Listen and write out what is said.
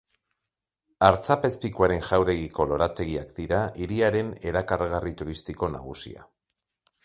Artzapezpikuaren jauregiko lorategiak dira hiriaren erakargarri turistiko nagusia.